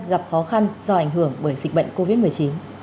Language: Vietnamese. gặp khó khăn do ảnh hưởng bởi dịch bệnh covid một mươi chín